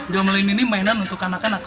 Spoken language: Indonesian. jomble ini mainan untuk anak anak